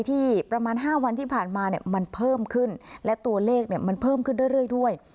ที่ประมาณ๕วันที่ผ่านมาเนี่ยมันเพิ่มขึ้นและตัวเลขมันเพิ่มขึ้นเรื่อยด้วย